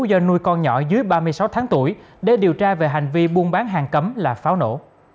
do nuôi con nhỏ dưới ba mươi sáu tháng tuổi để điều tra về hành vi buôn bán hàng cấm là pháo nổ